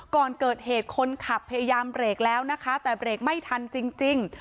ก่อนเกิดเหตุคนขับพยายามเบรกแล้วนะคะแต่เบรกไม่ทันจริง